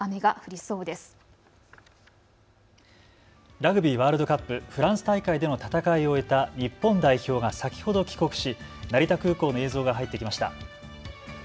ラグビーワールドカップ、フランス大会での戦いを終えた日本代表が先ほど帰国し成田空港の映像が入ってきました。